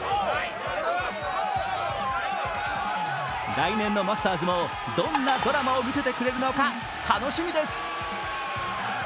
来年のマスターズもどんなドラマを見せてくれるのか楽しみです。